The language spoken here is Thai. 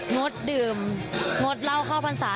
งดดื่มงดเหล้าเข้าพรรษา